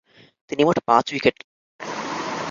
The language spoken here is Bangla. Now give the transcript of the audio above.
তিনি মোট পাঁচ উইকেট লাভ করেন।